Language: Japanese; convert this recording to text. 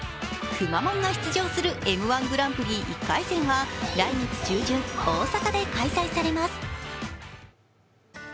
くまモンが出場する「Ｍ−１グランプリ」１回戦は来月中旬、大阪で開催されます。